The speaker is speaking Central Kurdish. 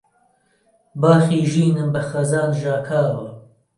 باخی ژینم بە خەزان ژاکاوە